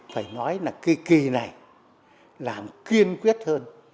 phải nói là cái kỳ này làm kiên quyết hơn